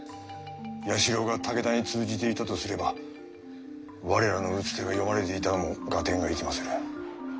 弥四郎が武田に通じていたとすれば我らの打つ手が読まれていたのも合点がいきまする。